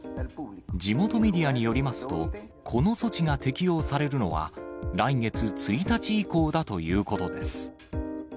地元メディアによりますと、この措置が適用されるのは、来月１日以降だということです。